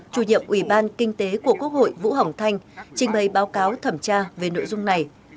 chủ nhiệm ủy ban kinh tế của quốc hội vũ hồng thanh trình bày báo cáo thẩm tra về nội dung này